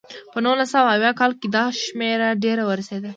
په نولس سوه اویا کال کې دا شمېره ډېره ورسېده.